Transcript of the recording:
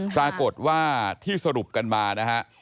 ปรากฏว่าที่สรุปกันมานะฮะ